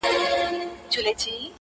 • زمـا مــاسوم زړه؛